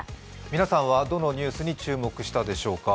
皆さんはどのニュースに注目したでしょうか。